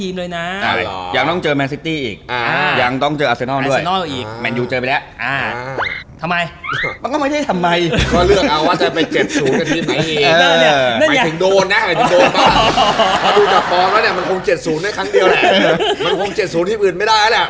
มันคง๗๐ที่อื่นไม่ได้แล้วแหละ